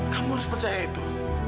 kamu harus percaya itu